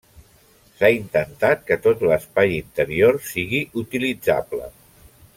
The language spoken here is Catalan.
S'ha intentat que tot l'espai interior sigui utilitzable.